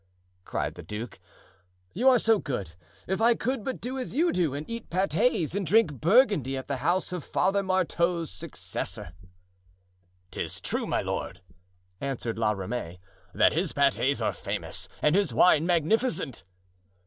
cried the duke, "you are so good; if I could but do as you do, and eat pates and drink Burgundy at the house of Father Marteau's successor." "'Tis true, my lord," answered La Ramee, "that his pates are famous and his wine magnificent."